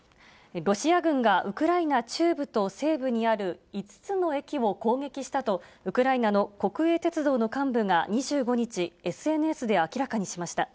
ロシア軍がウクライナ中部と西部にある５つの駅を攻撃したと、ウクライナの国営鉄道の幹部が２５日、ＳＮＳで明らかにしました。